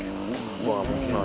enggak mungkin lah